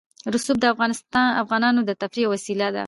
رسوب د افغانانو د تفریح یوه وسیله ده.